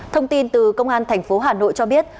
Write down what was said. thông tin từ công an thành phố hà nội cho biết